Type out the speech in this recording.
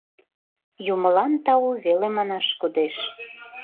— Юмылан тау веле манаш кодеш...